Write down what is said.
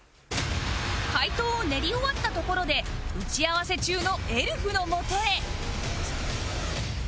回答を練り終わったところで打ち合わせ中のエルフのもとへ